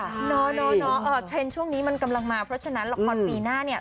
เทรนด์ช่วงนี้มันกำลังมาเพราะฉะนั้นละครปีหน้าเนี่ย